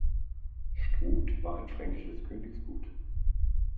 Struth war ein fränkisches Königsgut.